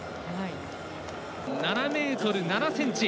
７ｍ７ｃｍ。